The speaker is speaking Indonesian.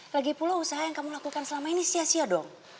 lagi pula usaha yang kamu lakukan selama ini sia sia dong